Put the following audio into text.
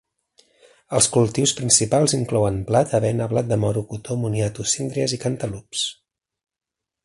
Els cultius principals inclouen blat, avena, blat de moro, cotó, moniatos, síndries i cantalups.